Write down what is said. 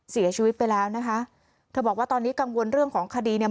เสียชีวิตไปแล้วนะคะเธอบอกว่าตอนนี้กังวลเรื่องของคดีเนี่ย